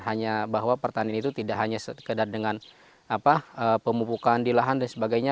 hanya bahwa pertanian itu tidak hanya sekedar dengan pemupukan di lahan dan sebagainya